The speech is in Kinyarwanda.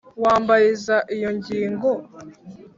wambariza iyo ngingo.